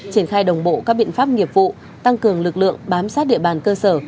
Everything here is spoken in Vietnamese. triển khai đồng bộ các biện pháp nghiệp vụ tăng cường lực lượng bám sát địa bàn cơ sở